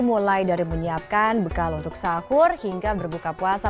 mulai dari menyiapkan bekal untuk sahur hingga berbuka puasa